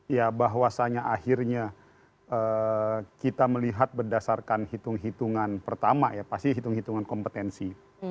ya bahwasanya akhirnya kita melihat berdasarkan hitung hitungan pertama ya pasti hitung hitungan kompetensi